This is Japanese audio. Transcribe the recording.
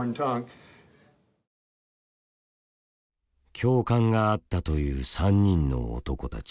教官が会ったという３人の男たち。